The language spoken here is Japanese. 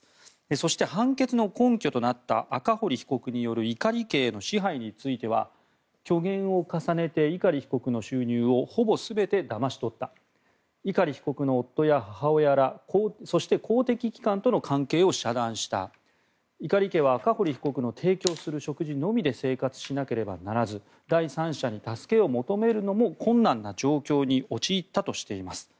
そして、判決の根拠となった赤堀被告による碇家への支配については虚言を重ねて碇被告の収入をほぼ全てだまし取った碇被告の夫や母親らそして公的機関との関係を遮断した碇家は赤堀被告の提供する食事のみで生活しなければならず第三者に助けを求めるのも困難な状況に陥ったとしています。